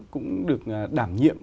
cũng được đảm nhiệm